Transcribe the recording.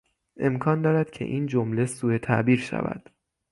امکان دارد که این جمله سو تعبیر شود.